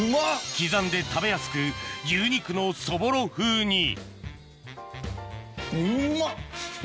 刻んで食べやすく牛肉のそぼろ風にうまっ！